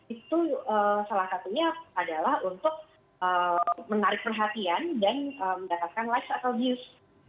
itu salah satunya adalah untuk menarik perhatian dan mendapatkan live atau muse